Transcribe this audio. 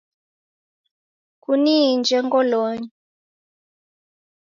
Kuniinje ngolonyi